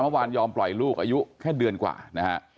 เมื่อวานยอมปล่อยลูกอายุแค่เดือนกว่านะฮะ